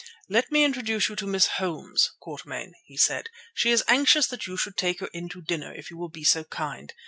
"Let me introduce you to Miss Holmes, Quatermain," he said. "She is anxious that you should take her in to dinner, if you will be so kind.